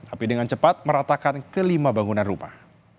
api dengan cepat meratakan kelima bangunan rumah